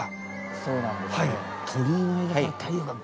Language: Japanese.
そうなんですね。